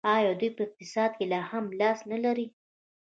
آیا دوی په اقتصاد کې هم لاس نلري؟